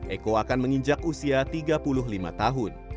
eko akan menginjak usia tiga puluh lima tahun